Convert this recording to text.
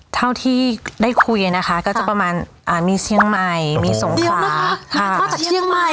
เท่าที่ได้คุยนะคะก็จะประมาณมีเชียงใหม่มีสงขลานอกจากเชียงใหม่